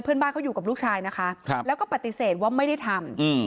เพื่อนบ้านเขาอยู่กับลูกชายนะคะแล้วก็ปฏิเสธว่าไม่ได้ทำ